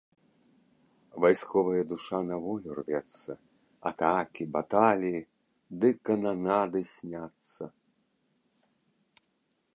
Вайсковая душа на волю рвецца, атакі, баталіі ды кананады сняцца.